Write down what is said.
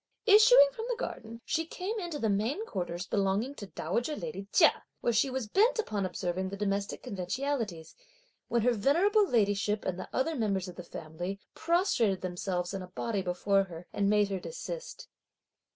Issuing from the garden, she came into the main quarters belonging to dowager lady Chia, where she was bent upon observing the domestic conventionalities, when her venerable ladyship, and the other members of the family, prostrated themselves in a body before her, and made her desist.